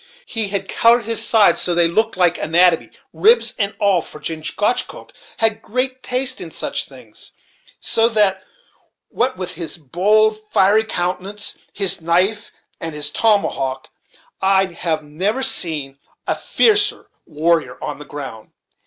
He had colored his sides so that they looked like anatomy, ribs and all, for Chingachgook had a great taste in such things, so that, what with his bold, fiery countenance, his knife, and his tomahawk, I have never seen a fiercer warrior on the ground.